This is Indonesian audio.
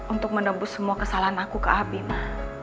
untuk menebus semua kesalahan aku ke abi ma